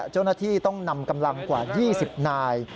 เจ้าหน้าที่ต้องนำกำลังกว่า๒๐นาย